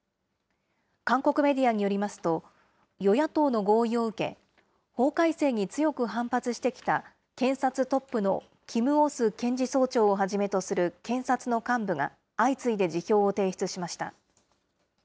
韓国メディアによりますと、与野党の合意を受け、法改正に強く反発してきた検察トップのキム・オス検事総長をはじめとする検察の幹部が、相次いで辞表を提出しました。